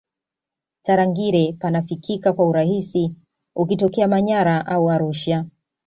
tarangire panafikika kwa urahisi ukitokea manyara au arusha